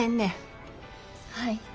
はい。